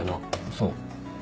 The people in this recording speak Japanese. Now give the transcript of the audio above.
そう。